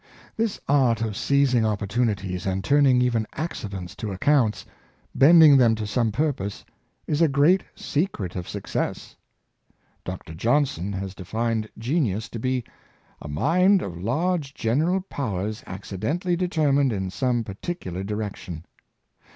This art of seizing opportunities and turning even accidents to accounts, bending them to some purpose, is a great secret of success. Dr. Johnson has defined genius to be " a mind of large general powers accident ally determined in some particular direction."